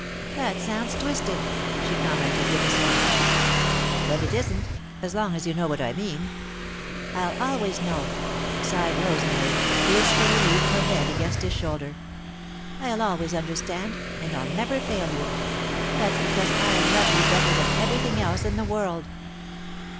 "That sounds twisted," she commented, with a smile. "But it isn't, as long as you know what I mean." "I'll always know," sighed Rosemary, blissfully leaning her head against his shoulder. "I'll always understand and I'll never fail you. That's because I love you better than everything else in the world."